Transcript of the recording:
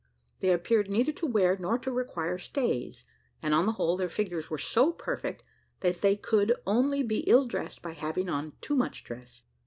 They appeared neither to wear nor to require stays, and on the whole, their figures were so perfect, that they could only be ill dressed by having on too much dress.